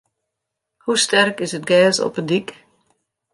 Hoe sterk is it gers op de dyk?